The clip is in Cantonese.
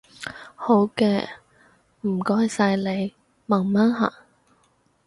好嘅，唔該晒你，慢慢行